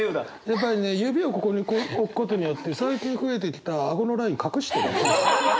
やっぱりね指をここに置くことによって最近増えてきた顎のライン隠してる。